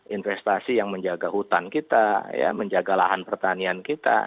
investasi yang menjaga hutan kita ya menjaga lahan pertanian kita